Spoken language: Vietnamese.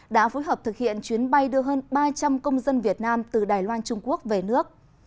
đã phối hợp thực hiện chuyến bay đưa hơn ba trăm linh công dân việt nam từ đài loan trung quốc về nước